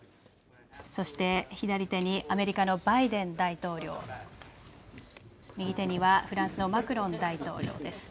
そして左手にアメリカのバイデン大統領、右手にはフランスのマクロン大統領です。